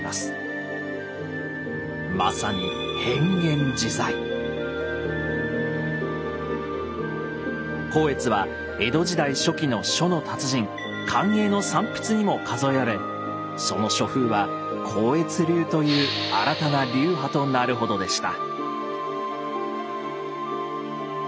まさに光悦は江戸時代初期の書の達人「寛永の三筆」にも数えられその書風は「光悦流」という新たな流派となるほどでした。